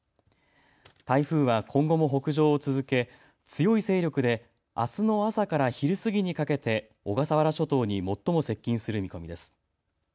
台風は今後も北上を続け強い勢力であすの朝から昼過ぎにかけて小笠原諸島に最も接近する見込みです。